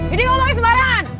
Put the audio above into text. ini ngomongnya sebarangan